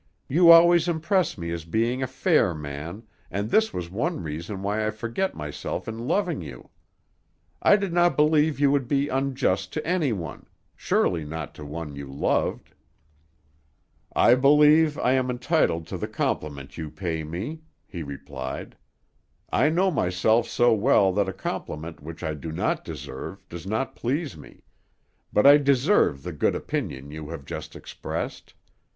"You always impress me as being a fair man, and this was one reason why I forget myself in loving you. I did not believe you would be unjust to anyone; surely not to one you loved." "I believe I am entitled to the compliment you pay me," he replied. "I know myself so well that a compliment which I do not deserve does not please me; but I deserve the good opinion you have just expressed.